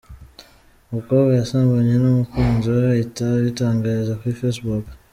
umukobwa yasambanye n’ umukunzi we ahite abitangariza kuri facebook.